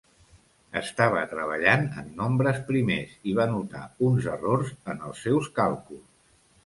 Estava treballant en nombres primers i va notar uns errors en els seus càlculs.